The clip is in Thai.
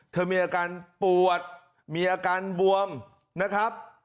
มีอาการปวดมีอาการบวมนะครับ